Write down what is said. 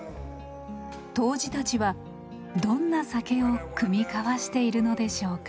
杜氏たちはどんな酒を酌み交わしているのでしょうか？